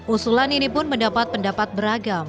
usulan ini pun mendapat pendapat beragam